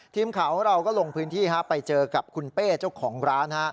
ทีมข่าวของเราก็ลงพื้นที่ไปเจอกับคุณเป้เจ้าของร้าน